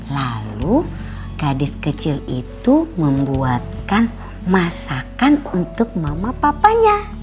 lalu gadis kecil itu membuatkan masakan untuk mama papanya